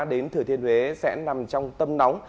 đến thử thiên huế sẽ nằm trong tâm nóng